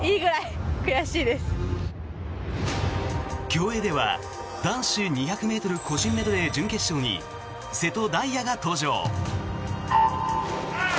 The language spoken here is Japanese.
競泳では、男子２００ｍ個人メドレー準決勝に瀬戸大也が登場。